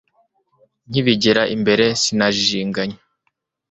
nkibigera imbere sinajijinganya